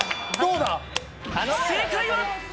正解は。